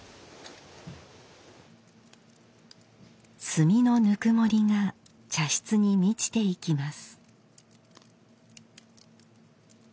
炭のぬくもりが茶室に満ちていきます。